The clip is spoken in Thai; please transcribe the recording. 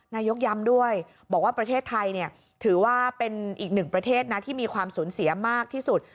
นายกย้ำด้วยบอกว่าประเทศไทยถือว่าเป็นอีกหนึ่งประเทศนะที่มีความสูญเสียมากที่สุด